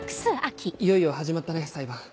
いよいよ始まったね裁判。